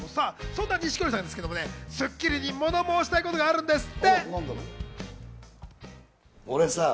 錦織さん、『スッキリ』に物申したいことがあるんですって。